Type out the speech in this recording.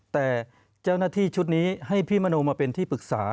แต่เจ้าหน้าที่ชุดนี้ให้พี่มโนมาเป็นที่ปรึกษา